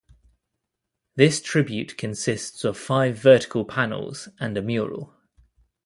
This tribute consists of five vertical panels and a mural.